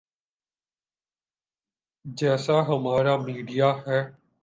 جیسا ہمارا میڈیا ہے۔